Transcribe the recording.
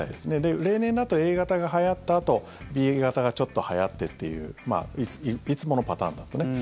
例年だとＡ型がはやったあとＢ型がちょっとはやってといういつものパターンだとね。